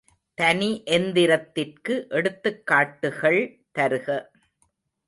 தனி எந்திரத்திற்கு எடுத்துக்காட்டுகள் தருக.